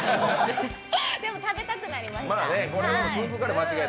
でも、食べたくなりました。